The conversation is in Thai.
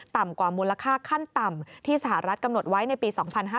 กว่ามูลค่าขั้นต่ำที่สหรัฐกำหนดไว้ในปี๒๕๕๙